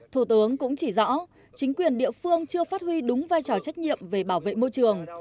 thủ tướng cũng chỉ rõ chính quyền địa phương chưa phát huy đúng vai trò trách nhiệm về bảo vệ môi trường